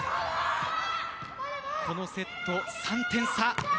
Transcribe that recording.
このセット、３点差。